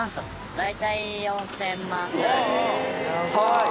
大体４０００万ぐらいですかね。